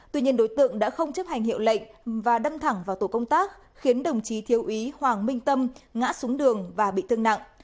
tuy nhiên đối tượng đã không chấp hành hiệu lệnh và đâm thẳng vào tổ công tác khiến đồng chí thiếu úy hoàng minh tâm ngã xuống đường và bị thương nặng